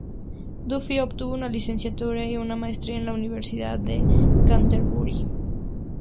Duffy obtuvo una licenciatura y una maestría en la Universidad de Canterbury.